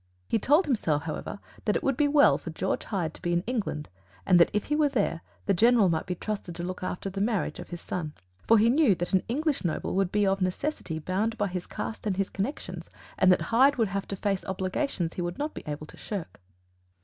He told himself, however, that it would be well for George Hyde to be in England, and that if he were there, the General might be trusted to look after the marriage of his son. For he knew that an English noble would be of necessity bound by his caste and his connections, and that Hyde would have to face obligations he would not be able to shirk.